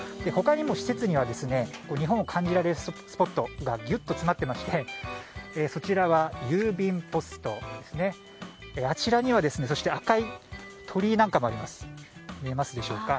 他にも施設には日本を感じられるスポットがぎゅっと詰まっていましてこちらは郵便ポストあちらには赤い鳥居なんかもあります。